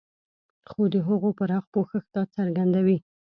خو د هغو پراخ پوښښ دا څرګندوي.